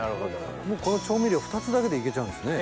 調味料２つだけで行けちゃうんですね。